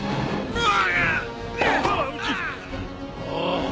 うわ！